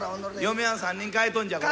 嫁はん３人替えとんじゃコラ。